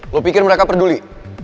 lo pikir mereka peduli